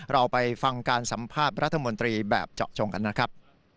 เราไปฟังการสัมภาษณ์รัฐมนตรีแบบเจาะจงกันนะครับ